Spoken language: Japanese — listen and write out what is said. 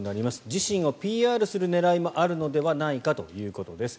自身をＰＲする狙いもあるのではないかということです。